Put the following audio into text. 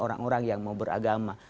orang orang yang mau beragama